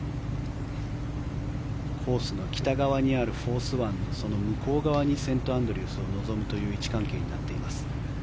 コースの北側にあるフォース湾のその向こう側にセントアンドリュースを望むという位置関係になっています。